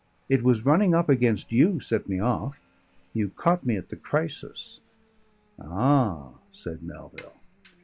It was running up against you, set me off. You caught me at the crisis." "Ah!" said Melville.